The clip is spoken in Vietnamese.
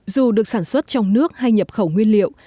dù được sản xuất trong nước hay nhập khẩu nguyên liệu